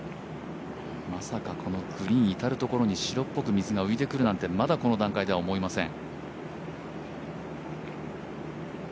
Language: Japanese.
まさかこのグリーン至る所に白っぽく水が浮いてくるなんてまだこの段階では思いません。